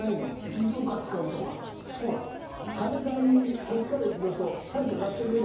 羽田にこっちから行くのと大して変わってねえだろ。